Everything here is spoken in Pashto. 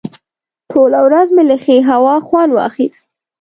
ټوله ورځ مې له ښې هوا خوند واخیست.